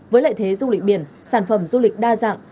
với lợi thế du lịch biển sản phẩm du lịch đa dạng